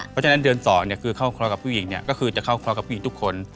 เพราะฉะนั้นเดือน๒เนี่ยคือเข้าครอบครัวกับผู้หญิงเนี่ยก็คือเข้าพี่ทุกคน